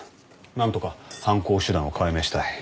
何とか犯行手段を解明したい。